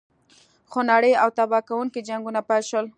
خونړي او تباه کوونکي جنګونه پیل شول.